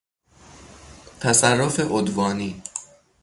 تصرف عدوانی